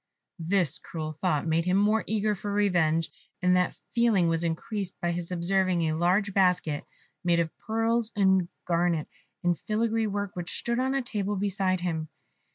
This cruel thought made him more eager for revenge, and that feeling was increased by his observing a large basket made of pearls and garnets in filigree work, which stood on a table beside him.